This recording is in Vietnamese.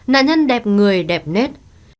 nạn nhân đẹp người đẹp nết